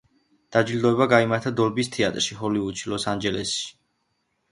დაჯილდოება გაიმართა დოლბის თეატრში, ჰოლივუდში, ლოს-ანჯელესში.